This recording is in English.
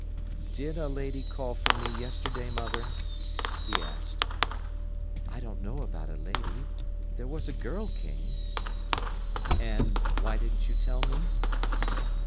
"Did a lady call for me yesterday, mother?" he asked. "I don't know about a lady. There was a girl came." "And why didn't you tell me?"